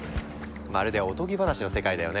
まるでおとぎ話の世界だよね。